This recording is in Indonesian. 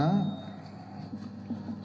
saya mengucapkan terima kasih kepada mbak titi